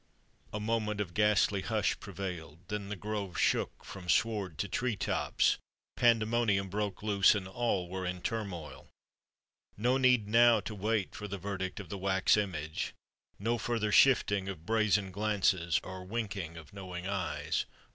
A moment of ghastly hush prevailed, then the Grove shook from sward to tree tops pandemonium broke loose and all were in turmoil. No need now to wait for the verdict of the wax image; no further shifting of brazen glances, or winking of knowing eyes.